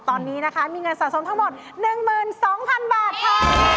ตอนนี้นะคะมีเงินสะสมทั้งหมด๑๒๐๐๐บาทค่ะ